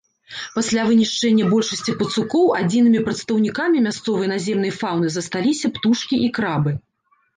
Пасля вынішчэння большасці пацукоў адзінымі прадстаўнікамі мясцовай наземнай фаўны засталіся птушкі і крабы.